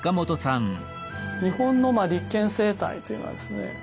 日本の立憲政体というのはですね